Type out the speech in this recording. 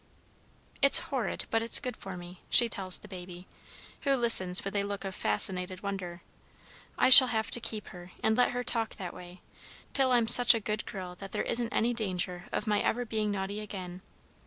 "It's horrid, but it's good for me," she tells the baby, who listens with a look of fascinated wonder. "I shall have to keep her, and let her talk that way, till I'm such a good girl that there isn't any danger of my ever being naughty again.